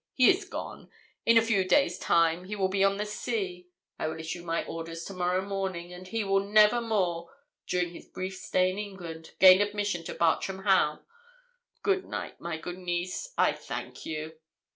He is gone. In a few days' time he will be on the sea. I will issue my orders to morrow morning, and he will never more, during his brief stay in England, gain admission to Bartram Haugh. Good night, my good niece; I thank you.'